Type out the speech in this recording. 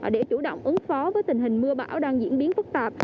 để chủ động ứng phó với tình hình mưa bão đang diễn biến phức tạp